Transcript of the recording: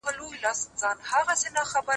که مادي ژبه وي، نو علم ته ځنډ نه راځي.